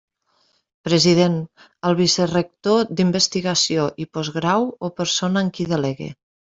President: el vicerector d'Investigació i Postgrau, o persona en qui delegue.